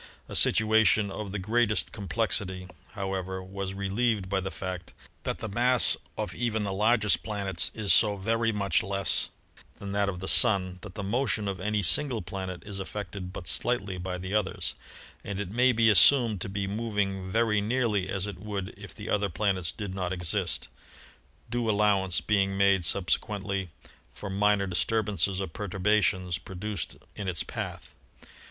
A situation of the greatest com plexity, however, was relieved by the fact that the mass of even the largest planets is so very much less than that of the Sun that the motion of any single planet is affected but slightly by the others, and it may be assumed to be moving very nearly as it would if the other planets did not exist, due allowance being made subsequently for minor disturbances or perturbations produced in its path.